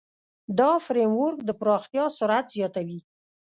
دا فریم ورک د پراختیا سرعت زیاتوي.